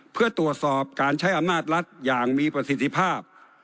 เพื่อตรวจสอบการใช้อำนาจรัฐอย่างมีประสิทธิภาพ